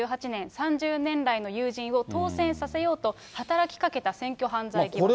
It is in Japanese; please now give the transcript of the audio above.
２０１８年、３０年来の友人を当選させようと働きかけた選挙犯罪疑惑。